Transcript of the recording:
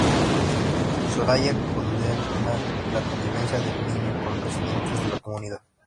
Soraya condena la convivencia del niño con residentes de la comunidad.